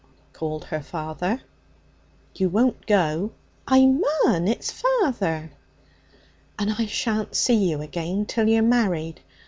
called her father. 'You won't go?' 'I mun. It's father.' 'And I shan't see you again till you're married?